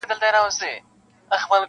لاندي مځکه هره لوېشت ورته سقر دی-